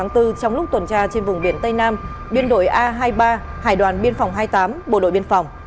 trong lúc tuần tra trên vùng biển tây nam biên đội a hai mươi ba hải đoàn biên phòng hai mươi tám bộ đội biên phòng